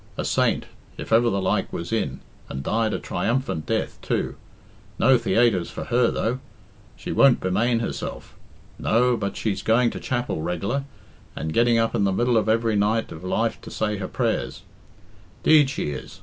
A saint, if ever the like was in, and died a triumphant death, too. No theaytres for her, though. She won't bemane herself. No, but she's going to chapel reg'lar, and getting up in the middle of every night of life to say her prayers. 'Deed she is.